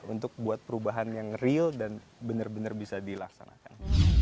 untuk buat perubahan yang real dan benar benar bisa dilaksanakan